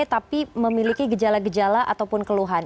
tapi memiliki gejala gejala ataupun keluhan